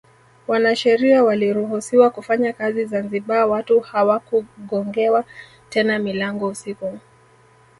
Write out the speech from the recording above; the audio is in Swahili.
Wanasheria waliruhusiwa kufanya kazi Zanzibar watu hawakugongewa tena milango usiku